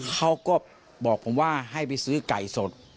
เขาก็บอกผมว่าให้ไปซื้อไก่สด